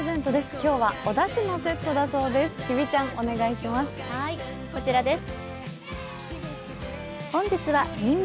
今日はおだしのセットだそうです。